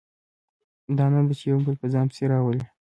دا نه ده چې یو بل په ځان پسې راولي.